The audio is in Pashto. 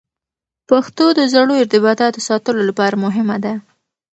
پښتو د زړو ارتباطاتو ساتلو لپاره مهمه ده.